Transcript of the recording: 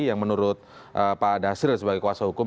yang menurut pak dasril sebagai kuasa hukum